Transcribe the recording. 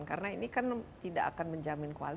karena ini kan tidak akan menjadi pustakawan